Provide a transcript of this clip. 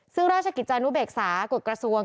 ซึ่งราชกิจจานุเบกษากฎกระทรวง